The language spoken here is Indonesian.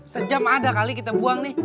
sejam ada kali kita buang nih